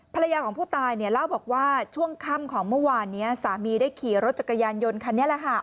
ภรรยาของผู้ตายเนี่ยเล่าบอกว่าช่วงค่ำของเมื่อวานนี้สามีได้ขี่รถจักรยานยนต์คันนี้แหละค่ะ